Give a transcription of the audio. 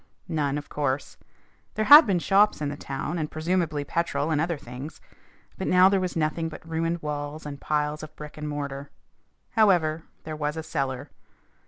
None, of course. There had been shops in the town, and presumably petrol and other things. But now there was nothing but ruined walls and piles of brick and mortar. However, there was a cellar.